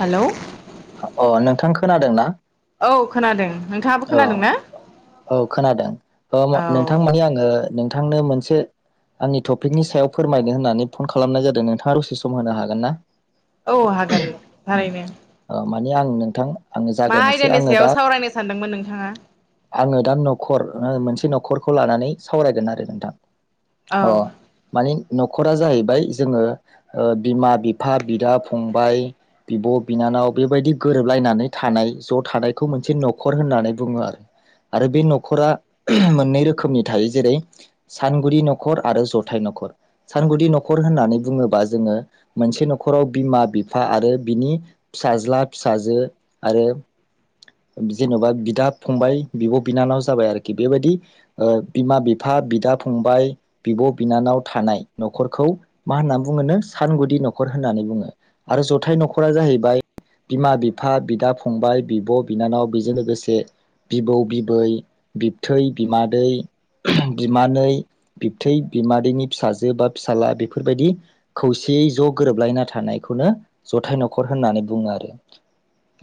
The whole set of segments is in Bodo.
हेलौ? अ नोंथां खोनादों ना? औ खोनादों नोंथाङाबो औ खोनादों ना औ खोनादों ओ औ नोंथां माने आङो नोंथांनो मोनसे आंनि टपिकनि सायाव फोरमायनो होननानै फन खालामनाय जादों नोंथाङा दसे सम होनो हागोन ना? औ हागोन थारैनो ओ माने आं नोंथां आङो मा जागायनोसै आयदानि आङो दा सायाव सावरायनो सानदोंमोन नों नोंथाङा आङो दा नखर मोनसे नखरखौ लानानै सावरायगोन आरो नोंथां औ अ मानि नखरा जाहैबाय जोङो ओ बिमा बिफा बिदा फंबाय बिब बिनानाव बेबायदि गोरोबलायनानै थानाय ज थानायखौ मोनसे नखर होननानै बुङो आरो आरो बे नखरा मोननै रोखोमनि थायो जेरै सानगुदि नखर आरो जथाय नखर सानगुदि नखर होननानै बुङोबा जोङो मोनसे नखराव बिमा बिफा आरो बिनि फिसाज्ला फिसाजो आरो जेनबा बिदा फंबाय बिब बिनानाव जाबाय आरोखि बेबायदि बिमा बिफा बिदा फंबाय बिब बिनानाव थानाय नखरखौ मा होननानै बुङोनो सानगुदि नखर होननानै बुङो आरो जथाय नखरा जाहैबाय बिमा बिफा बिदा फंबाय बिब बिनानाव बेजों लोगोसे बिबौ बिबै बिबथै बिमादै बिमानै बिबथै बिमादैनि फिसाजो बा फिसााजला बेफोरबायदि खौसेयै ज गोरोबलायना थानायखौनो जथाय नखर होननानै बुङो आरो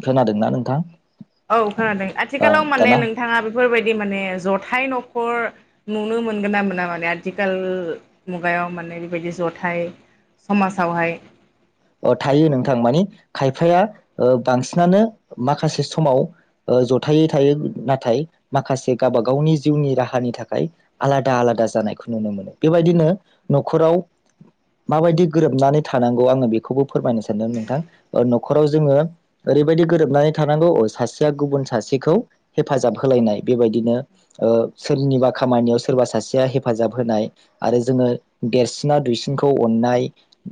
खोनादोंना नोंथां औ खोनादों ओ आथिखालाव मा माने दाना नोंथाङा बेफोरबायदि माने जथाय नखर नुनो मोनगोन ना मोना माने आथिखाल मुगायाव माने बेबायदि जथाय समाजावहाय अ थायो नोंथां माने खायफाया बांसिनानो माखासे समाव जथायै थायो नाथाय माखासे गावबा गावनि जिउनि राहानि थाखाय आलादा आलादा जानायखौ नुनो मोनो बेबायदिनो नखराव माबायदि गोरोबनानै थानांगौ आङो बेख बेखौबो फोरमायनो सानदों नोंथां नखराव जोङो ओरैबायदि गोरोबनानै थानांगौ सासेया गुबुन सासेखौ हेफाजाब होलायनाय बेबायदिनो सोरनिबा खामानियाव सोरबा सासेया हेफाजाब होनाय आरो जोङो देरसिना दुइसिनखौ अननाय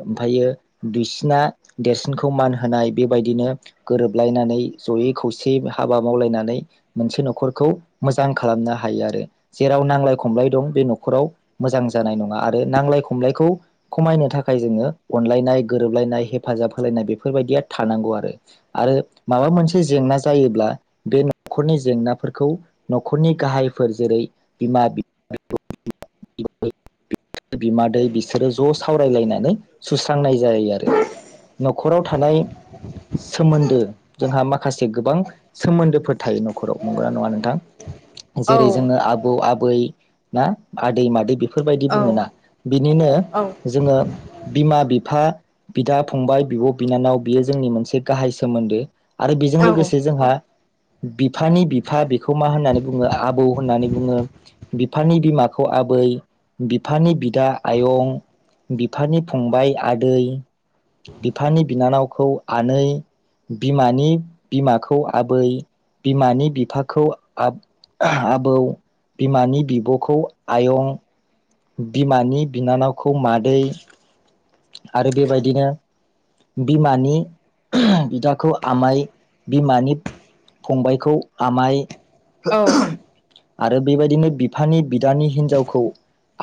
ओमफ्रायो दुइसिना देरसिनखौ मान होनाय बेबायदिनो गोरोबलायनानै जयै खौसेयै हाबा मावलायनानै मोनसे नखरखौ मोजां खालामनो हायो आरो जेराव नांलाय खमलाय दं बे नखराव मोजां जानाय नङा आरो नांलाय खमलायखौ खमायनो थाखाय जोङो अनलायनाय गोरोबलायनाय हेफाजाब होलायनाय बेफोरबायदिया थानांगौ आरो आरो माबा मोनसे जेंना जायोब्ला बे नखरनि जेंनाफोरखौ नखरनि गाहायफोर जेरै बिमा [unintelligible] बिमादै बिसोरो ज सावरायलायनानै सुस्रांनाय जायो आरो नखराव थानाय सोमोन्दो जोंहा माखासे गोबां सोमोन्दोफोर थायो नखराव नंगौना नङा नोंथां औ जेरै जोङो आबौ आबै ना आदै मादै बेद फोरबायदि औ बुङोना बिनिनो औ जोङो बिमा बिफा बिदा फंबाय बिब बिनानाव बियो जोंनि मोनसे गाहाय सोमोन्दो आरो बेजों औ लोगोसे जोंहा बिफानि बिफा बेखौ मा होननानै बुङो आबौ होननानै बुङो बिफानि बिमाखौ आबै बिफानि बिदा आयं बिफानि फंबाय आद आदै बिफानि बिनानावखौ आनै बिमानि बिमाखौ आबै बिमानि बिफाखौ आब आबौ बिमानि बिबखौ आयं बिमानि बिनानावखौ मादै आरो बेबायदिनो बिमानि बिदाखौ आमाय बिमानि फंबायखौ आमाय औ [inaudible] आरो बेबायदिनो बिफानि बिदानि हिनजावखौ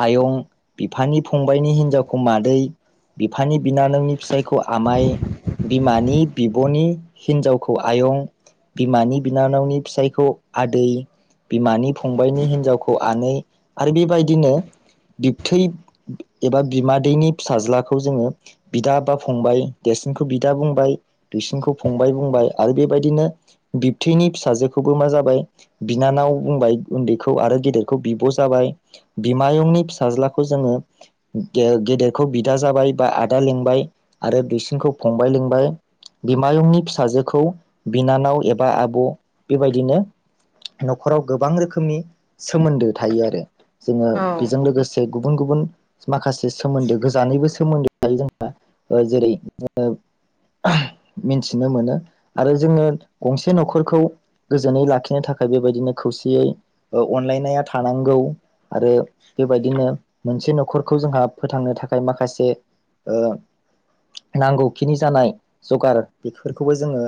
आयं बिफानि फंबायनि हिनजावखौ मादै बिफानि बिनानावनि फिसाय खौ आमाय बिमानि बिबनि हिनजावखौ आयं बिमानि बिनानावनि फिसायखौ आदै बिमानि फंबायनि हिनजावखौ आनै आरो बेबायदिनो बिबथै एबा बिमादैनि फिसाज्लाखौ जोङो बिदा बा फंबाय देरसिनखौ बिदा बुंबाय दुइसिनखौ फंबाय बुंबाय आरो बेबायदिनो बिबथैनि फिसाजोखौबो मा जाबाय बिनानाव बुंबाय उन्दैखौ आरो गेदेरखौ बिब जाबाय बिमायंनि फिसाज्लाखौ जोङो गेदेरखौ बिदा जाबाय बा आदा लिंबाय आरो दुइसिनखौ फंबाय लिंबाय बिमायंनि फिसाजोखौ बिनानाव एबा आब बेबायदिनो नखराव गोबां रोखोमनि सोमोन्दो थायो आरो जोङो औ बेजों लोगोसे गुबुन गुबुन माखासे सोमोन्दो गोजानैबो सोमोन्दो थायो जोंहा जेरै जोङो मिन्थिनो मोनो आरो जोङो गंसे न'खरखौ गोजोनै लाखिनो थाखाय बेबायदिनो खौसेयै अनलायनाया थानांगौ आरो बेबायदिनो मोनसे नखरखौ जोंहा फोथांनो थाखाय माखासे ओ नांगौखिनि जानाय जगार बेफोरखौबो जोङो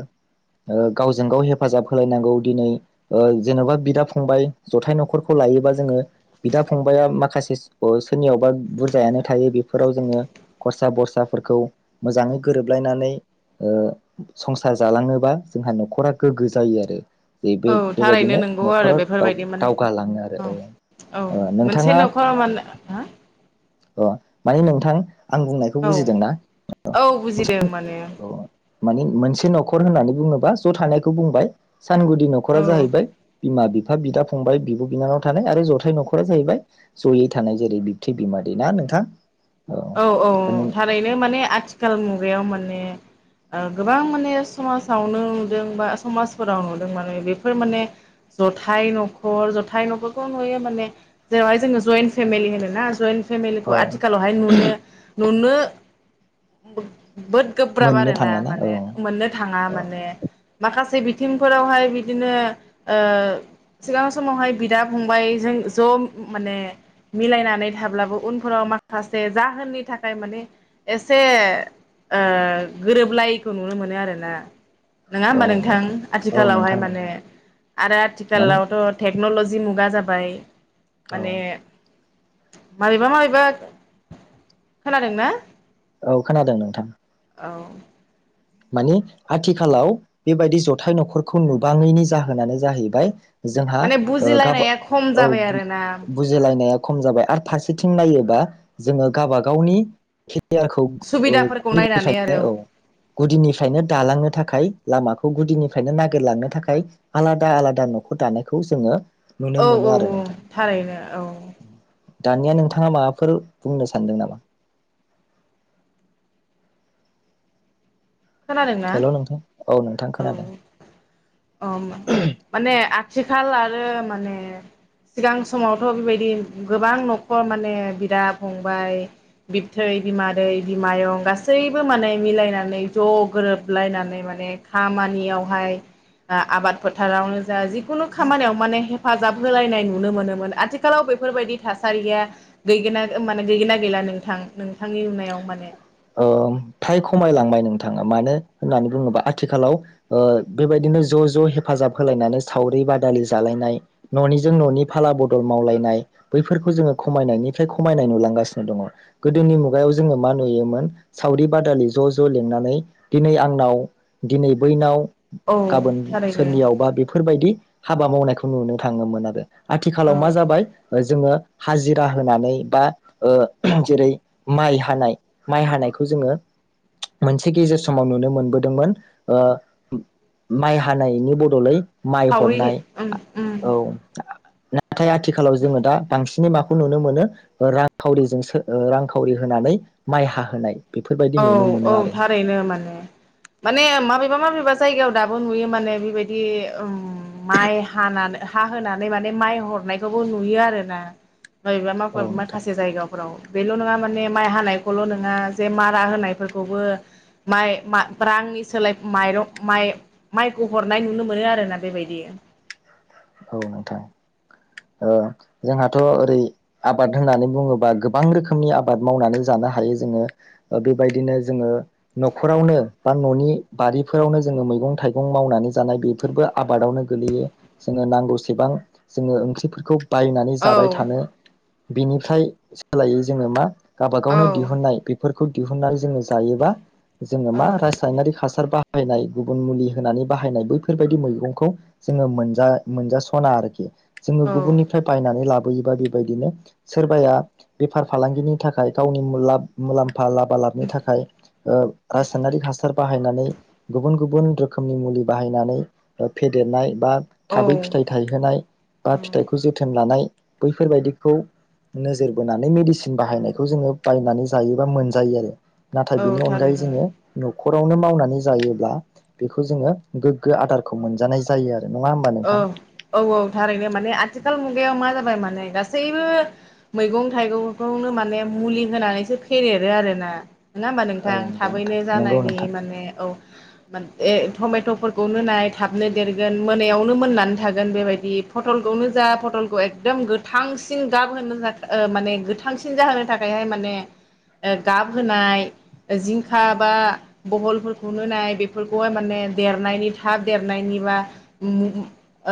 ओ गावजों गाव हेफाजाब होलायनांगौ दिनै जेनबा बिदा फंबाय जथाय नखरखौ लायोबा जोङो बिदा फंबाया माखासे सोरनियावबा बुरजायानो थायो बेफोराव जोङो खरसा बरसा फोरखौ मोजाङै गोरोबलायनानै ओ संसार जालाङोबा जोंहा नखरा गोग्गो जायो आरो जे बे औ थारैनो बेबायदिनो नंगौ आरो न'खरा बेफोरबायदि माने दावगालाङो आरो औ औ मोनसे नखराव माने हा अ माने नोंथां आं बुंनायखौ औ बुजिद दोंना औ बुजिदों माने [unintelligible] माने मोनसे। न'खर होननानै बुङोबा ज' थानायखौ बुंबाय। सानगुदि न'खरा औ जाहैबाय बिमा बिफ फा बिदा फंबाय बिब' बिनानाव थानाय आरो जथाय न'खरा जाहैबाय जयै थानाय जेरै बिबथै बिमादै ना नोंथां? औ औ नों औ थारै बे माने आथिखाल मुगायाव माने ओ गोबां माने समाजावनो नुदों बा समाजफोराव नुदों माने बेफोर माने जथाय न'खर जथाय न'खरखौ नुयो माने जेरावहाय जोङो जयन्ट फेमिलि होन ना जइन औ फेमिलिखौ आथिखालाव नुनो नुनो बोद गोब्राब मोननो आरो ना थांलाना औ माने मोननो थाङा औ माने माखासे बिथ थिंफोरावहाय बिदिनो ओ सिगां समावहाय बिदा फंबबायजों ज' माने मिलायनानै थाब्लाबो उनफोराव मा खासे जाहोननि थाखाय माने एसे ओ गोरोबलायैखौ नुनो मोनो आरोना। नङा औ होमबा नोंथां? औ आथिखालावहाय नोंथां माने नोंगौ आरो माने आथिखालावथ' टेक क्न'लजि मुगा जाबाय। औ माने माबेबा माबेबा खोनादों ना? औ खोनादों नोंथां। औ। माने आथिखालाव बेबायदि जथाय न'खरखौ नुबाङैनि जाहोनानो जाहैबाय जोंहा माने गाब ओ बुजिलायनाया खम औ जाबाय आरोना बुजिलायनाया खम जाबाय आरो फारसे थिं नायोबा जोङो गाबा गावनि [unintelligible] औ। सुबिदाफोरखौ नायनानै आरो निफ्रायनो दालांनो थाखाय लामाखौ गुदिनिफ्रायनो नागिरलांनो थाखाय आलादा आलादा न'खौ दानायखौ जोङो नुनो औ मोनो औ आरो औ नोंथां थारैनो औ। दानिया नोंथाङा माबाफोर बुंनो सानदों नामा? खोनादोंना? हेल' नोंथां नोंथां औ खोनादों औ माने आथिखाल आरो मा माने सिगां समावथ' बेबायदि गोबां न'खर माने बिदा फंबाय बिबथै बिमादै बिमायं गासैबो माने मिलायनानै ज' गोरोबलायनानै माने खामानियावहाय ओ आबाद फोथारावनो जा जिखुनु खामानियाव माने हेफाजाब होलायनाय नुनो मोनोमोन आथिखालाव बेफोरबायदि थासारिया गैगोना ओ माने गैगोना गैला नोंथां नोंथांनि नुनाय ओ फ्राय खमायलांबाय नों थां मानो होननानै बुङोबा आथिखालाव ओ बेबायदिनो ज' ज' हेफाब हायनानै सावरि बादालि जालानाय न'निजों ननि फाला बदल मावलायनाय बैफोरखौ जोङो खमायनायनिफ्राय खमायनाय नुलांगासिनो दं। जोङो मा नुयोमोन सावरि बादालि ज' ज' लिंनानै दिनै आंनाव दिनै बैनाव औ गाबोन थारैनो सोरनियावबा बेफोरबायदि हाबा मावनायखौ नुनो थाङोमोन आरो। आथिखालाव औ मा जाबाय जोङो हाजिरा होनानै बा ओ जेरै माइ हानाय माइ हानायखौ जोङो मोनसे गेजेर समाव नुनो मोनबोदोंमोन ओ माइ हानायनि बदलै माइ सावरि हरनाय, उम उम औ नाथाय आथिखालाव जोङो दा बांसिनै माखौ नुनो मोनो रांखावरिजोंसो ओ रांखावरि होनानै माइ हाहोनाय। बेफोरबायदि औ नुनो मोनो औ आरो थारैनो माने माने माबे मामाबेबा जायगायाव दाबो नुयो माने बेबायदि ओम माइ हानानै हा होनानै माने माइ हरनायखौबो नुयो आरो ना माबेबा माफा औ नोंथां माखासे जायगाफोराव बेल' नङा माने माइ हानायखौल' नङा जे मा जाहोनायफोरखौबो माइ मा रांनि सोलाय माइरं माइ माइखौ हरनाय नुनो मोनो आरोना बेबायदि औ नोंथां । ओ जोंहाथ' ओरै आबाद होननानै बुङोबा गोबां रोखोमनि आबाद मावनानै जानो हायो जोङो बेबायदिनो जोङो न'खरावनो बा न'नि बारिफोरावनो जोङो मैगं-थाइगं मावनानै जानाय बेफोरबो आबादावनो गोग्लैयो जोङो नांगौसेबां जोङो ओंख्रि फोरखौ बायनानै औ जाबाय थानो बिनिफ्राय सोलायै जोङो मा औ गाबागावनो दिहुननाय बेफोर बेखौ दिहुननानै जोङो जायोबा जोङो औ मा रासायनारि हासार बा बाहायनाय गुबुन मुलि होनानै बाहायनाय बैफोरबायदि मैगंखौ जोङो मोनजा मोनजास'ना आरोखि जोङो औ गुबुननिफ्राय बायनानै लाब‌ बेबायदि बायदिनो सोरबाया बेफार फालांगिनि थाखाय गावनि मुलाब मुलाम लाबा लाबनि थाखाय ओ रासायनारि हासार बाहायनानै गुबुन गुबुन रोखोमनि मुलि बाहायनानै फेदेरनाय बा औ थाबै फिथाइ थायहोनाय बा फिथाइखौ औ जोथोन ला नाय बैफोरबायदिखौ नोजोर बोनानै मेडिसिन बाहायनायखौ जोङो बायनानै जायोबा मोनजायो आरो नाथाय बेनि औ अनगायै थारैनो जोङो नु न'खरावनो मावनानै जायोब्ला बेखौ जोङो गोग्गो आदारखौ मोनजानाय जायो आरो नङा होमबा नोंथां ओं औ औ थारैनो । माने आथिखाल मुगायाव मा जाबाय माने गासैबो मैगं-थाइगंखौनो माने मुलि होनानैसो फदेरो आरोना। नोङा होमबा औ नोंथां नंगौ नोंथां थाबैनो नंगौ जानायनि नोंथां माने औ । माने ए टमेट'फोरखौनो नाय थाबनो देरगोन मोनायाव नो मोननानै थागोन बेबायदि फटलखौनो जा फटलखौ एकदम गोथांसिन गाब होनो जा ओ माने गोथांसिन जाहोनो थाखायहाय माने गाब होनाय जिंखा बा बहलफोरखौनो नाय बेफोरखौहाय माने देरनायनि थाब देरनायनि बा मुम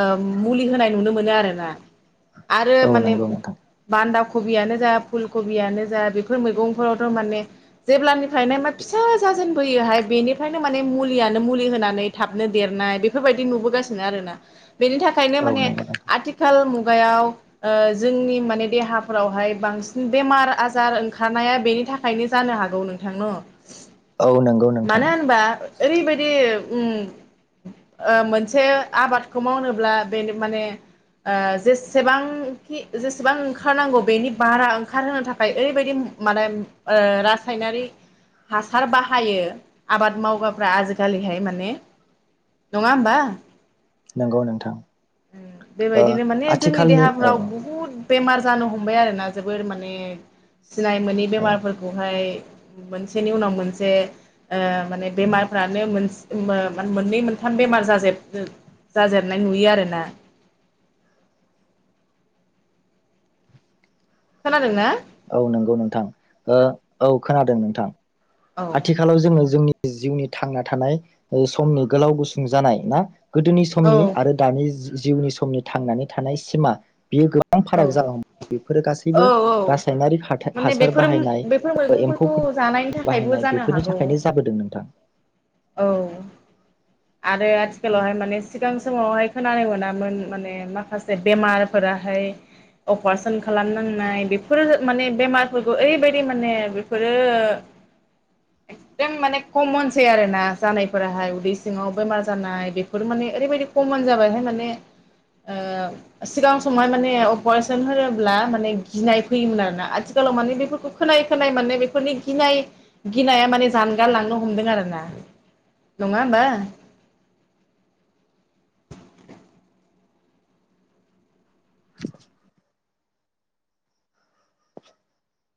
ओ मुलि होनाय नुनो मोनो आरो ना। आरो औ माने नंगौ नोंथां बान्दा कबियानो जा फुल कबियानो जा बेफोर मैगंफोरावथ' माने जेब्लानिफ्रायनो मा फिसा जाजेनबोयोहाय बेनिफ्रायनो माने मुलियानो मुलि होनानै थाबनो देरनाय बेफोरबायदि नुबोगासि नो आरोना। बेनि थाखायनो औ माने नंगौ नोंथां आथिखाल बेयाव ओ जोंनि माने देहाफोरावहाय बांसिन बेमार आजार ओंखारनाया बेनि थाखायनो जानो हागौ नोंथां न। औ नंगौ नोंथां मानो होनबा ओरैबायदि उम ओ मोनसे आबादखौ मावनोब्ला बेनो माने ओ जेसेबांखि जेसेबां ओंखारनांगौ बेनि बारा ओंखारहोनो थाखाय ओरैबायदि माने ओ रासायनारि हासार बाहायो आबाद मावग्राफ्रा आजिखालिहाय माने नङा होमबा? नंगौ नोंथां। ओ बेबायदिनो माने जोंनि आथिखालनि औ देहाफ्राव बुहुद बेमार जानो हमबाय आरोना जोबोर माने सिनाय मोनै औ बेमारफोरखौहाय मोनसेनि उनाव मोनसे ओ माने बेमारफ्रानो मोन [unintelligible] मोननै मोनथाम बेमार [unintelligible] जाजेननाय नुयो आरो। [unintelligible] खोनादों ना? औ नंगौ नोंथां ओ औ खोनादों नोंथां। औ आथिखालाव जोङो जोंनि जिउनि थांना थानाय समनि ओ गोलाव गुसुं जानाय ना गोदोनि औ समनि आरो दानि जु जिउनि समनि थांनानै थानाय सिमा बियो गोब बां औ फाराग जालांबाय बेफोरो गासैबो गासैबो औ औ रासायनारि माने हाथा-हासार बेफोर बाहायनाय बेफोर एम्फौ मैगंफोरखौ जानायनि थाखायबो बाहायनाय जानो बेफोरनि हागौ थाखायनो जाबोदों नोंथां। औ आरो आथिखालावहाय माने सिगां समावहाय खोनानो मोनामोन माने माखासे बेमारफोराहाय अपारेशन खालामनांनाय बेफोरो माने बेमारफोरखौ ओरैबायदि माने बेफोरो एकदम माने कमनसै आरो। जानायफोराहाय उदै सिङाव बेमार जानाय बेफोर माने ओरैबायदि कमन जाबायहाय माने ओ सिगां समहाय माने अपारेशन होनोब्ला माने गिनाय फैयोमोन आरो ना आथिखालाव माने बेफोरखौ खोनाय खोनाय माने बेफोरनि गिनाय गिनाया माने जानगार लांनो हमदों आरो ना। नङा होमबा। [inaudible] [inaudible]